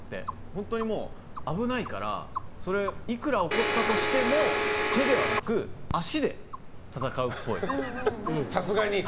本当に危ないからいくら怒ったとしても手ではなく足で戦うっぽい。